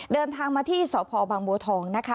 เดินทางมาที่สพบางบัวทองนะคะ